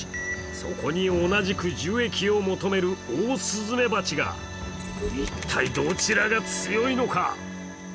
そこに同じく樹液を求めるオオスズメバチが一体どちらが強いのか？